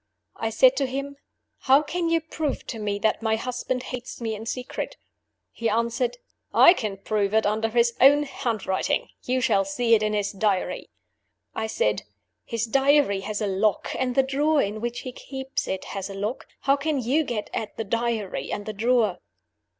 "I said to him, 'How can you prove to me that my husband hates me in secret?' "He answered, 'I can prove it under his own handwriting; you shall see it in his Diary.' "I said, 'His Diary has a lock; and the drawer in which he keeps it has a lock. How can you get at the Diary and the drawer?